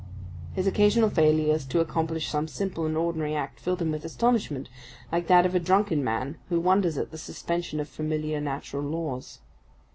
His occasional failures to accomplish some simple and ordinary act filled him with astonishment, like that of a drunken man who wonders at the suspension of familiar natural laws.